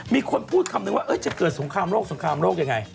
มีคนพูดคำนึงว่าจะเกิดสงครามโลกสงครามโลกยังไง